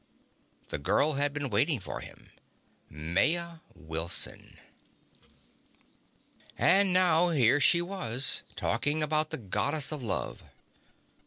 The girl had been waiting for him Maya Wilson. And now here she was, talking about the Goddess of Love.